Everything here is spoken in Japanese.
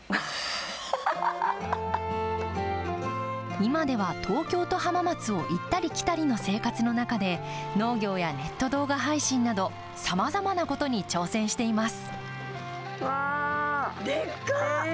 今では東京と浜松を行ったり来たりの生活の中で農業やネット動画配信などさまざまなことに挑戦しています。